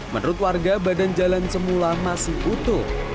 menurut warga badan jalan semula masih utuh